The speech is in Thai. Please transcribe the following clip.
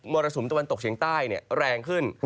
มรสมตะวันตกเชียงใต้เนี่ยแรงขึ้น